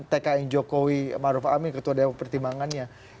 tkn jokowi maruf amin ketua dewan pertimbangannya